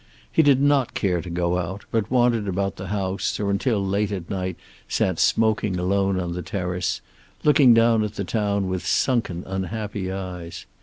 He did not care to go out, but wandered about the house or until late at night sat smoking alone on the terrace, looking down at the town with sunken, unhappy eyes.